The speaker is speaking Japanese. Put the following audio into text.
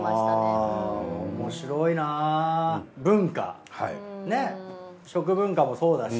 おもしろいなぁ文化食文化もそうだし。